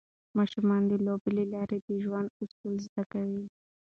ماشومان د لوبو له لارې د ژوند اصول زده کوي.